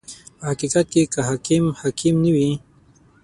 • په حقیقت کې که حاکم حاکم نه وي.